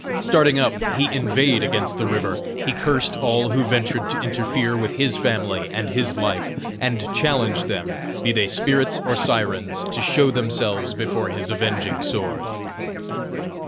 Starting up, he inveighed against the river; he cursed all who ventured to interfere with his family and his life, and challenged them, be they spirits or sirens, to show themselves before his avenging sword.